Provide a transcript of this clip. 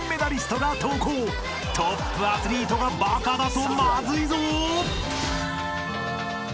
［トップアスリートがバカだとまずいぞ！］